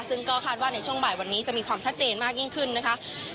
ซึ่งก็คาดว่าในช่วงบ่ายวันนี้จะมีความชัดเจนมากยิ่งขึ้นนะคะ